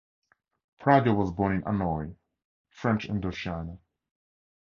Pradier was born in Hanoi, French Indochina.